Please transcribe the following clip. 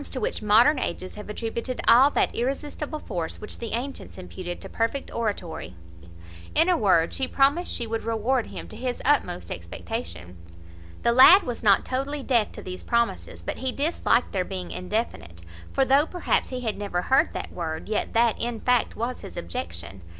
to which modern ages have attributed all that irresistible force which the antients imputed to perfect oratory. In a word, she promised she would reward him to his utmost expectation. The lad was not totally deaf to these promises; but he disliked their being indefinite; for, though perhaps he had never heard that word, yet that, in fact, was his objection.